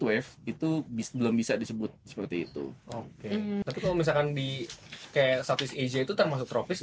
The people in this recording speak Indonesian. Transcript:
wave itu bisa belum bisa disebut seperti itu oke kalau misalkan di ke satu saja itu termasuk tropis